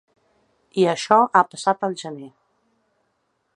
I això ha passat al gener.